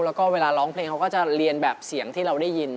แล้วก็เวลาร้องเพลงเขาก็จะเรียนแบบเสียงที่เราได้ยิน